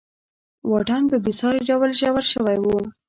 واټن په بېساري ډول ژور شوی و.